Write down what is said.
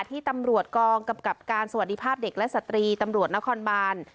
ที่ตำรวจกองกำกับการสวัสดีภาพเด็กและสตรีตำรวจนครบาน